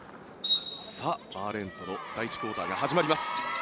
バーレーンとの第１クオーターが始まります。